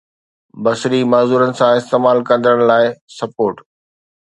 بصري معذورن سان استعمال ڪندڙن لاءِ سپورٽ